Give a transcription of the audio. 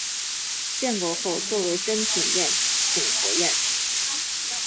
建国后作为珍品宴请国宾。